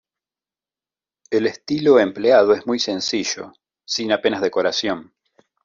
El estilo empleado es muy sencillo, sin apenas decoración.